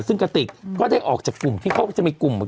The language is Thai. ซึ่งกระติกก็ได้ออกจากกลุ่มที่เขาจะมีกลุ่ม